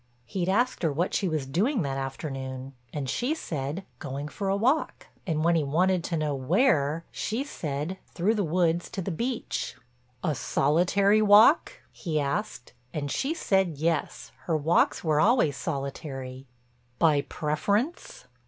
He asked her what she was doing that afternoon, and she said going for a walk, and when he wanted to know where, she said through the woods to the beach. "A solitary walk?" he asked and she said yes, her walks were always solitary. "By preference?"